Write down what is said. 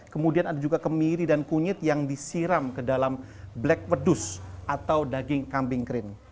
kemudian ada juga kemiri dan kunyit yang disiram ke dalam black pedust atau daging kambing kren